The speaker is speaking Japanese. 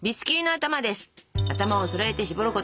頭をそろえて絞ること！